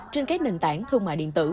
trên các nền tảng thương mại điện tử